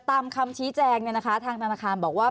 ตามคำชี้แจงทางธนาคารบอกว่า